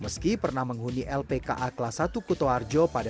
meski pernah menghuni lpka kelas satu kutoarjo pada dua ribu tujuh belas